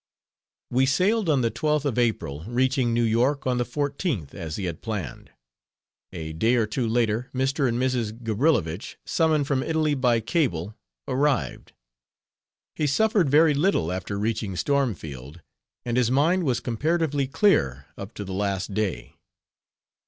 We sailed on the 12th of April, reaching New York on the 14th, as he had planned. A day or two later, Mr. and Mrs. Gabrilowitsch, summoned from Italy by cable, arrived. He suffered very little after reaching Stormfield, and his mind was comparatively clear up to the last day.